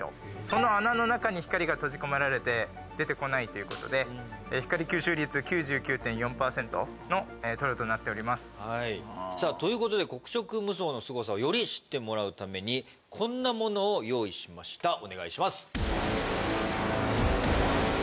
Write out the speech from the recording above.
その穴の中に光が閉じ込められて出てこないということで光吸収率９９．４％の塗料となっておりますさあということで黒色無双のすごさをより知ってもらうためにこんなものを用意しましたお願いします